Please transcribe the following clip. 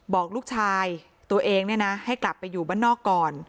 บอกลูกชายตัวเองเนี่ยนะให้กลับไปอยู่บ้านนอกก่อน